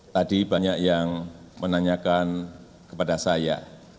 tadi banyak yang menanyakan kepada saya